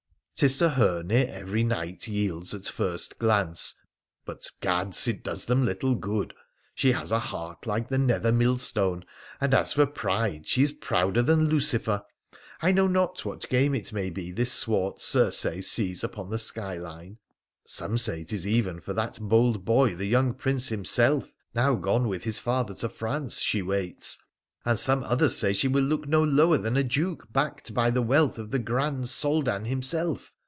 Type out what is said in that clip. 'Tis to her near every Knight yields at first glance ; but — gads !— it does them little good ! She has a heart like the nether millstone ; and, as for pride, she is prouder than Lucifer ! I know not what game it may be this swart Circe sees upon the skyline — some say 'tis even for that bold boy the young Prince himself, now gone with his father to France, she waits ; and some others say she will look no lower than a Duke backed by the wealth of the grand Soldan himself.